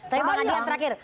tapi bang adian terakhir